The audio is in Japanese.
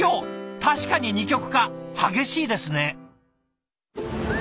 確かに二極化激しいですね。